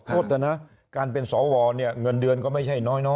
โทษเถอะนะการเป็นสวเนี่ยเงินเดือนก็ไม่ใช่น้อย